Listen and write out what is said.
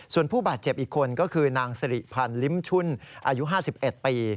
ส่วนผู้บาดเจ็บอีกคนก็คือนางสิริพันธ์ลิ้มชุ่นอายุ๕๑ปี